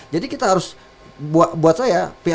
jadi kita harus buat saya